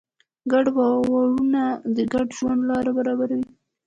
ګډ باورونه د ګډ ژوند لاره برابروي.